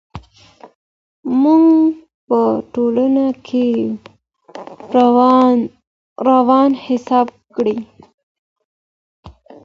زموږ په ټولنه کي وران حساب کېږي.